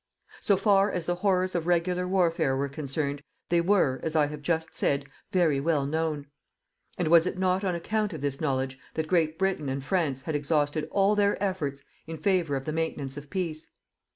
So far as the horrors of regular warfare were concerned, they were, as I have just said, very well known. And was it not on account of this knowledge that Great Britain and France had exhausted all their efforts in favour of the maintenance of peace?